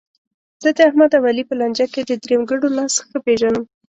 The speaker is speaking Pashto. زه داحمد او علي په لانجه کې د درېیمګړو لاس ښه پېژنم.